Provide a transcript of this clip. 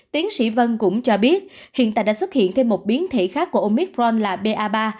tiến sĩ vân cũng cho biết hiện tại đã xuất hiện thêm một biến thể khác của omicron là ba